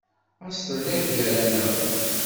Ɣas telliḍ gar-aneɣ.